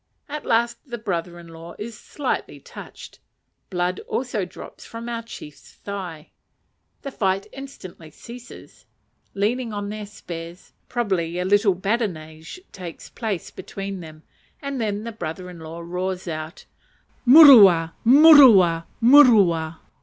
At last the brother in law is slightly touched; blood also drops from our chief's thigh. The fight instantly ceases; leaning on their spears, probably a little badinage takes place between them, and then the brother in law roars out, "_Murua! murua! murua!